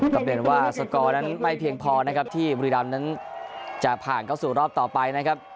เรียนว่าสกอร์นั้นไม่เพียงพอนะครับที่บุรีรำนั้นจะผ่านเข้าสู่รอบต่อไปนะครับ